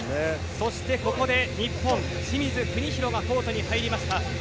そしてここで日本、清水邦広がコートに入りました。